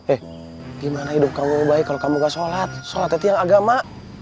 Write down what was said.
eh gimana hidup kamu baik kalau kamu gak sholat sholat itu yang agama